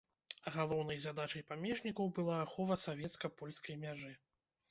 Галоўнай задачай памежнікаў была ахова савецка-польскай мяжы.